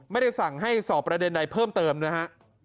ไม่ได้สั่งให้สอบประเด็นใดเพิ่มเติมนะฮะ